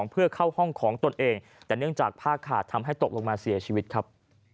เพื่อเข้าห้องของตนเองแต่เนื่องจากผ้าขาดทำให้ตกลงมาเสียชีวิตครับ